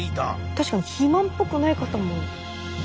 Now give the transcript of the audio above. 確かに肥満っぽくない方も。